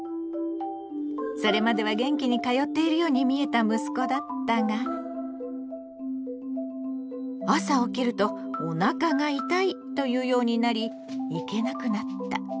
それまでは元気に通っているように見えた息子だったが朝起きると「おなかが痛い」と言うようになり行けなくなった。